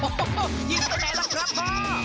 โอ้โหยิงไปไหนล่ะครับพ่อ